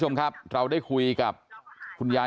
ใช่ค่ะถ่ายรูปส่งให้พี่ดูไหม